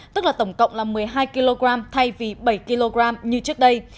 tức là tổng cộng là một mươi hai kg thay vì bảy kg như trước đây